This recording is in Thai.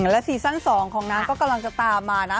และซีซั่น๒ของน้ำก็กำลังจะตามมานะ